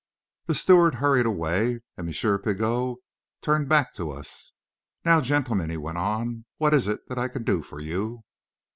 The steward hurried away, and M. Pigot turned back to us. "Now, gentlemen," he went on, "what is it that I can do for you?"